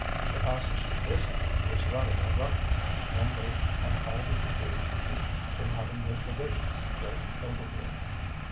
The passage to this island was rather a rough one, and they had all they could do to keep from having their provisions spilt overboard.